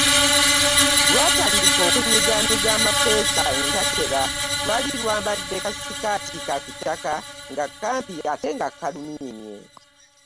Lwatandika okuginyigaanyiga amapeesa entakera. Lwali lwambadde kassikaati ka kitaka nga kampi ate nga kalumiimye.